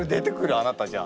あなたじゃあ。